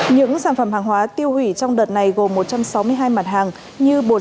những sản phẩm hàng hóa tiêu hủy trong đợt này gồm một trăm sáu mươi hai mặt hàng như bột